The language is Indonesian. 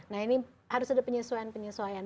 nah ini harus ada penyesuaian penyesuaian